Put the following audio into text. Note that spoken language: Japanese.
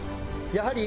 やはり。